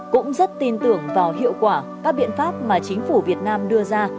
cũng rất tin tưởng vào hiệu quả các biện pháp mà chính phủ việt nam đưa ra